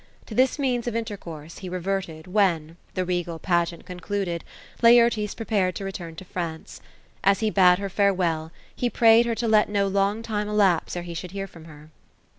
To this means of intercourse, he reverted, when. — the regal pageant concluded, — Laertes prepared to return to France. As he bade her farewell, be prayed her to let no long time elapse ere he should hear from her.